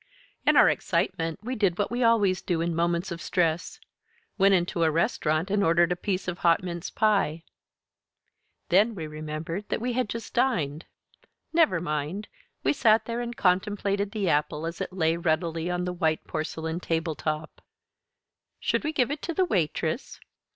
In our excitement we did what we always do in moments of stress went into a restaurant and ordered a piece of hot mince pie. Then we remembered that we had just dined. Never mind, we sat there and contemplated the apple as it lay ruddily on the white porcelain tabletop. Should we give it to the waitress?